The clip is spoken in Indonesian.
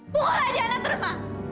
pukul saja ana terus ma